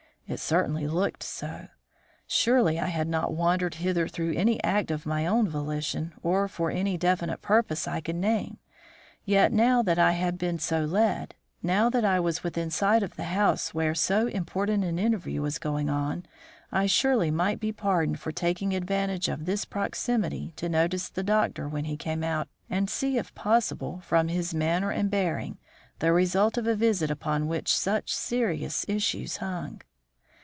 It certainly looked so. Surely I had not wandered hither through any act of my own volition or for any definite purpose I could name. Yet now that I had been so led; now that I was within sight of the house where so important an interview was going on, I surely might be pardoned for taking advantage of this proximity to note the doctor when he came out and see, if possible, from his manner and bearing the result of a visit upon which such serious issues hung.